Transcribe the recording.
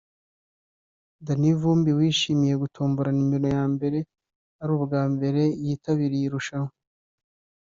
Danny Vumbi wishimiye gutombora nimero ya mbere ari ubwa mbere yitabiriye iri rushanwa